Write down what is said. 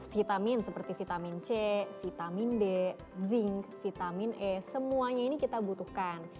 vitamin seperti vitamin c vitamin d zinc vitamin e semuanya ini kita butuhkan